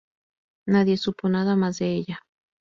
Nadie supo nada más de ella.